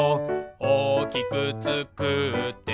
「おおきくつくって」